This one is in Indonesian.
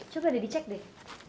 coba deh dicek deh